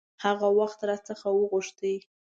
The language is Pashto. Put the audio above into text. هغه وخت را څخه وغوښت.